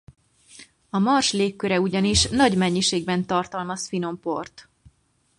A Mars légköre ugyanis nagy mennyiségben tartalmaz finom port.